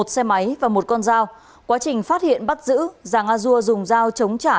một xe máy và một con dao quá trình phát hiện bắt giữ giàng a dua dùng dao chống trả